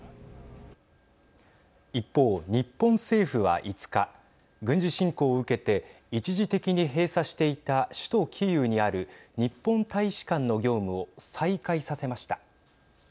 一方、日本政府は５日軍事侵攻を受けて、一時的に閉鎖していた首都キーウにある日本大使館の業務を再開させました。